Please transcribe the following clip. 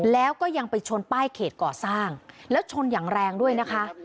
แล้วก็ยังไปชนป้ายเขตก่อสร้างแล้วชนอย่างแรงด้วยนะคะ